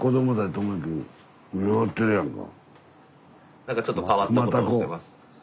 なんかちょっと変わったことしてます。